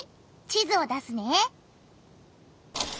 地図を出すね。